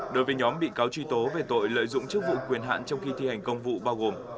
đối với nhóm bị cáo truy tố về tội lợi dụng chức vụ quyền hạn trong khi thi hành công vụ bao gồm